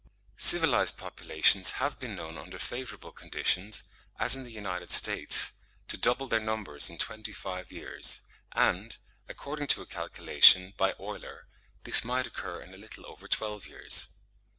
Civilised populations have been known under favourable conditions, as in the United States, to double their numbers in twenty five years; and, according to a calculation, by Euler, this might occur in a little over twelve years.